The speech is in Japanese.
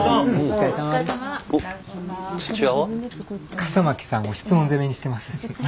笠巻さんを質問攻めにしてます。